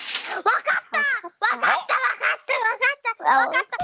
わかったわかったわかった。